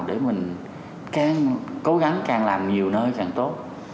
để mình càng cố gắng càng làm nhiều nơi càng tốt